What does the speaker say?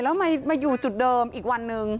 แล้วมาอยู่จุดเดิมอีกวันหนึ่ง